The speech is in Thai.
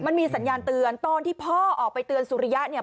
มันมีสัญญาณเตือนตอนที่พ่อออกไปเตือนสุริยะเนี่ย